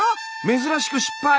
珍しく失敗。